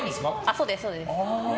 そうです、そうです。